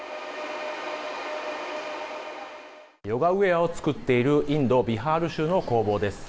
ヨガウエアを作っているインド、ビハール州の工房です。